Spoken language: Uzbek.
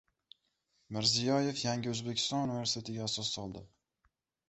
Mirziyoyev Yangi O‘zbekiston universitetiga asos soldi